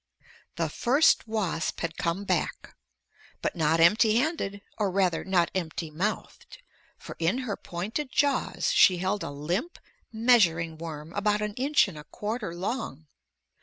The first wasp had come back! But not empty handed, or rather not empty mouthed, for in her pointed jaws she held a limp measuring worm about an inch and a quarter long.